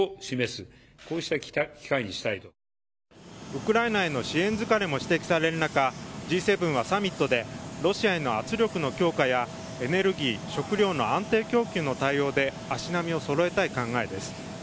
ウクライナへの支援疲れも指摘される中、Ｇ７やサミットでロシアへの圧力の強化やエネルギー食料の安定供給の対応で足並みをそろえたい考えです。